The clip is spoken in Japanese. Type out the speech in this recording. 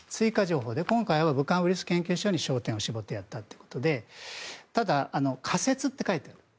今回は武漢ウイルス研究所に焦点を絞ってやったということでただ、仮説と書いてある。